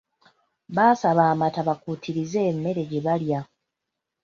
Baasaba amata bakuutirize emmere gye baalya.